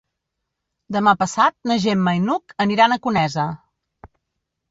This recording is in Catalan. Demà passat na Gemma i n'Hug aniran a Conesa.